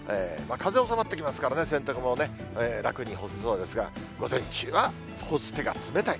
風収まってきますからね、洗濯物ね、楽に干せそうですが、午前中は干す手が冷たい。